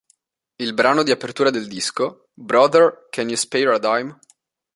Il brano di apertura del disco, "Brother Can You Spare a Dime?